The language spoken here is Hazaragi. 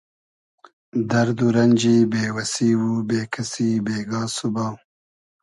دئرد و رئنجی بې وئسی و بې کئسی بېگا سوبا